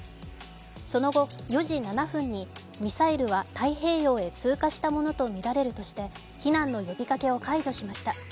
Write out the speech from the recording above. その後、４時７分にミサイルは太平洋へ通過したものとみられるとして避難の呼びかけを解除しました。